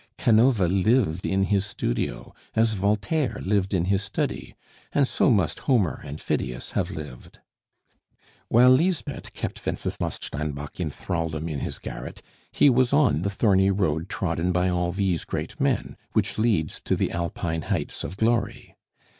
Canova lived in his studio, as Voltaire lived in his study; and so must Homer and Phidias have lived. While Lisbeth kept Wenceslas Steinbock in thraldom in his garret, he was on the thorny road trodden by all these great men, which leads to the Alpine heights of glory.